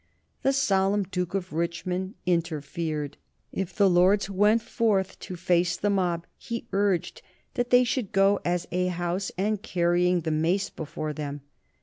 The solemn Duke of Richmond interfered. If the Lords went forth to face the mob he urged that they should go as a House and carrying the Mace before them.